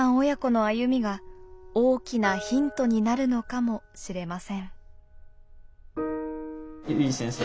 親子の歩みが大きなヒントになるのかもしれません。